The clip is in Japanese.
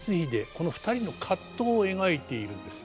この２人の葛藤を描いているんです。